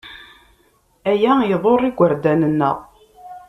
Aya iḍurr igerdan-nneɣ.